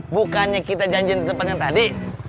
bukannya kita janjin di tempat yang tadi